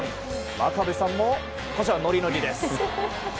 真壁さんもノリノリです。